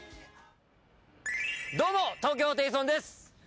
どうも、東京ホテイソンです。